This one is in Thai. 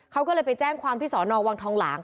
เขาก็เลยไปแจ้งความที่สอนอวังทองหลาง